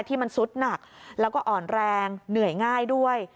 ที่มันซุดหนักแล้วก็อ่อนแรงเหนื่อยง่ายด้วย